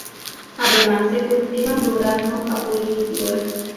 Además se cultivan durazno, capulín y ciruela.